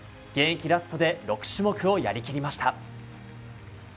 現役ラストで６種目をやりきりました。